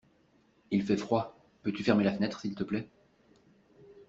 Il fait froid, peux-tu fermer la fenêtre s'il te plaît?